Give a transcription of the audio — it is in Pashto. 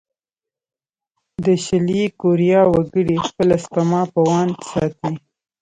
د شلي کوریا وګړي خپله سپما په وون ساتي.